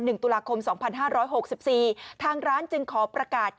ตุลาคมสองพันห้าร้อยหกสิบสี่ทางร้านจึงขอประกาศ